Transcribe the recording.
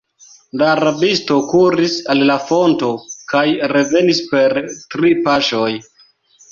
La rabisto kuris al la fonto kaj revenis per tri paŝoj.